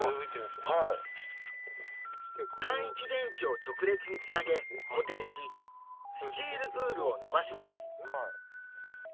単一電池を直列につなげ固定しスチールウールを伸ばします